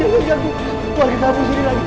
buat ketatus diri lagi